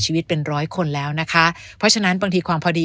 ชีวิตเป็นร้อยคนแล้วนะคะเพราะฉะนั้นบางทีความพอดี